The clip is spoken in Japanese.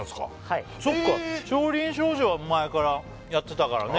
はいそっか「少林少女」は前からやってたからね